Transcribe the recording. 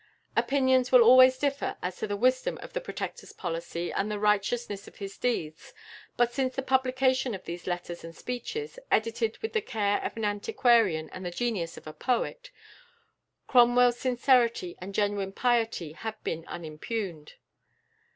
Opinions will always differ as to the wisdom of the Protector's policy and the righteousness of his deeds, but since the publication of these letters and speeches, "edited with the care of an antiquarian and the genius of a poet," Cromwell's sincerity and genuine piety have been unimpugned.